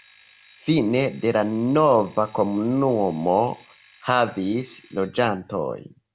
Fine de la nova komunumo havis loĝantojn.